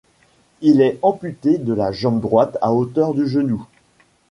Il est amputé de la jambe droite à hauteur du genou.